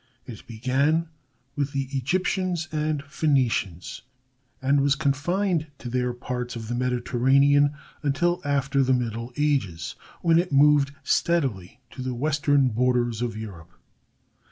It began with the Egyptians and Phenicians, and was confined to their parts of the Mediterranean until after the middle ages, when it moved steadily to the western borders of Europe.